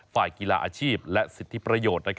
ฝ่ายกีฬาอาชีพและสิทธิประโยชน์